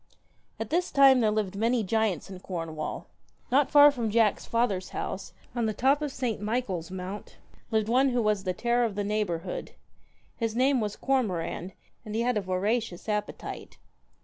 At this time there lived many giants in Cornwall. Not far from Jack's father's house, on the top of S. Michael's Mount, lived one who was the terror of the neighbourhood. His name was Cormoran, and he had a voracious appetite.